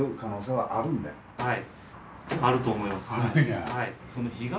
はい。